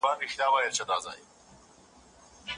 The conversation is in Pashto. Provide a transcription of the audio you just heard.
وردګ د پښتنو قومونو په منځ کې ډېر باسواده خلک لري.